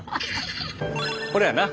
これやな。